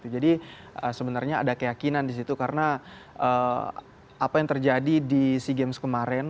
jadi sebenarnya ada keyakinan disitu karena apa yang terjadi di sea games kemarin